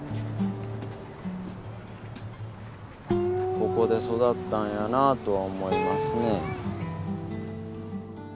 ここで育ったんやなとは思いますね。